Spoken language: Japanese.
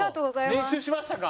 練習しましたか？